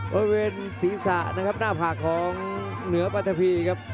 บริเวณศีรษะนะครับหน้าผากของเหนือปัทธพีครับ